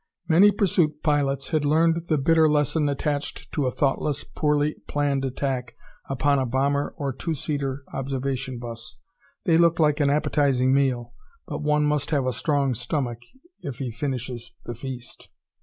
Many pursuit pilots had learned the bitter lesson attached to a thoughtless, poorly planned attack upon a bomber or two seater observation bus. They looked like an appetizing meal but one must have a strong stomach if he finishes the feast.